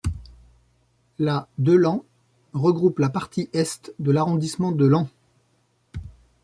La de Laon regroupe la partie est de l'arrondissement de Laon.